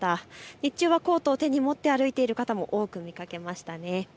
日中はコートを手に持って歩いている方も多く見かけました。